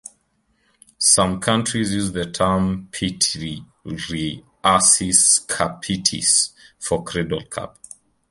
Some countries use the term "pityriasis capitis" for cradle cap.